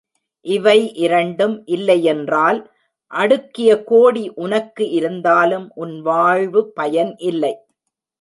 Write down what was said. இவை இரண்டும் இல்லையென்றால் அடுக்கிய கோடி உனக்கு இருந்தாலும் உன் வாழ்வு பயன் இல்லை.